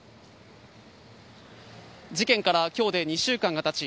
事件から今日で２週間がたち